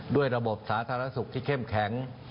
ด้วยระบบสาธารณสุขที่เข้มแข็ง